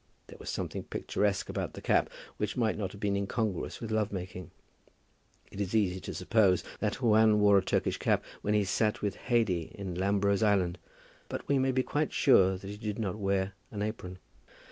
There was something picturesque about the cap, which might not have been incongruous with love making. It is easy to suppose that Juan wore a Turkish cap when he sat with Haidee in Lambro's island. But we may be quite sure that he did not wear an apron.